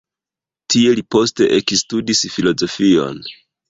Tie li poste ekstudis filozofion.